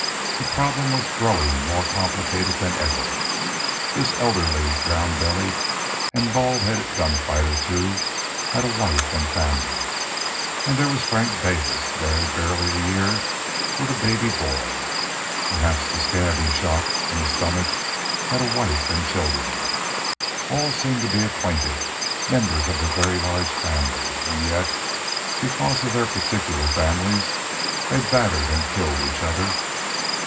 The problem was growing more complicated than ever. This elderly, round bellied, and bald headed gunfighter, too, had a wife and family. And there was Frank Davis, married barely a year and with a baby boy. Perhaps the scab he shot in the stomach had a wife and children. All seemed to be acquainted, members of a very large family, and yet, because of their particular families, they battered and killed each other.